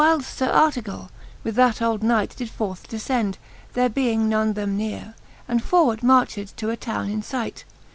The whyles Sir Artegally with that old knight Did forth delcend, there being none them nearo. And forward marched to a towne In fight.